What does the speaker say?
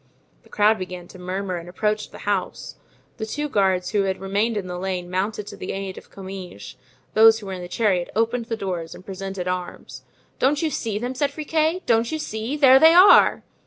The crowd began to murmur and approached the house. The two guards who had remained in the lane mounted to the aid of Comminges; those who were in the chariot opened the doors and presented arms. "Don't you see them?" cried Friquet, "don't you see? there they are!"